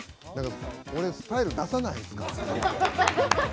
俺、スタイルださないっすか？